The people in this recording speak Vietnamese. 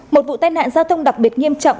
một vụ tai nạn giao thông đặc biệt nghiêm trọng